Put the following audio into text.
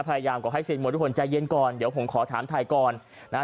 อยากให้เซียนมวยทุกคนใจเย็นก่อนเดี๋ยวผมขอถามถ่ายก่อนนะฮะ